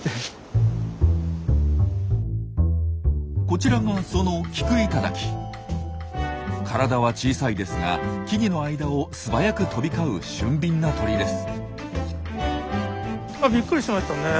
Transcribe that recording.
こちらがその体は小さいですが木々の間を素早く飛び交う俊敏な鳥です。